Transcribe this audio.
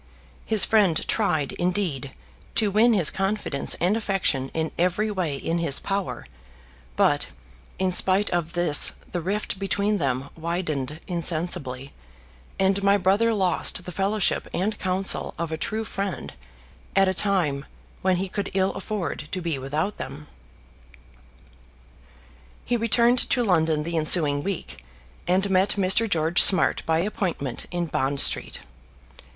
His friend tried, indeed, to win his confidence and affection in every way in his power; but in spite of this the rift between them widened insensibly, and my brother lost the fellowship and counsel of a true friend at a time when he could ill afford to be without them. He returned to London the ensuing week, and met Mr. George Smart by appointment in Bond Street.